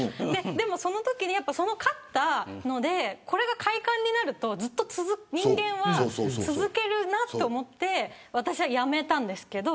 そのときに勝ったのでこれが快感になると人間はずっと続けるなと思って私はやめたんですけれど。